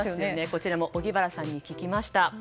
こちらも荻原さんに聞きました。